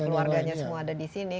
keluarganya semua ada di sini